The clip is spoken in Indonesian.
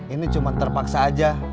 ini cuma terpaksa aja